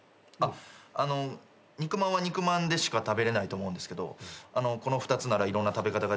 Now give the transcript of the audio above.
あの肉まんは肉まんでしか食べれないと思うんですけどこの２つならいろんな食べ方ができるかなと思いまして。